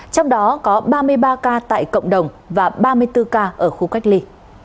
trong đó có ba mươi ba ca tại cộng đồng và ba mươi bốn ca ở khu cách ly